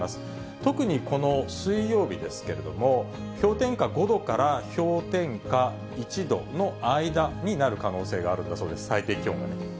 特にこの水曜日ですけれども、氷点下５度から氷点下１度の間になる可能性があるんだそうです、最低気温がね。